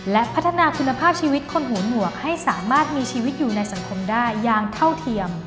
และพัฒนาคุณภาพชีวิตคนหูหนวกให้สามารถมีชีวิตอยู่ในสังคมได้อย่างเท่าเทียม